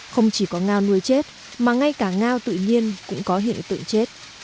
không chỉ có ngao nuôi chết mà ngay cả ngao tự nhiên cũng có hiện tượng chết